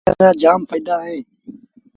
ٻڪريآݩ رآ جآم ڦآئيدآ اوهيݩ ۔